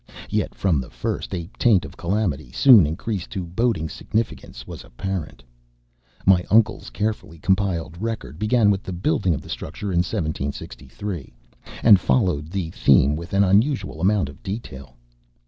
Yet from the first a taint of calamity, soon increased to boding significance, was apparent. My uncle's carefully compiled record began with the building of the structure in 1763, and followed the theme with an unusual amount of detail.